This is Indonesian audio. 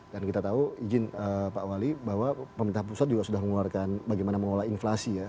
dan kita tahu izin pak wali bahwa pemerintah pusat juga sudah mengeluarkan bagaimana mengelola inflasi ya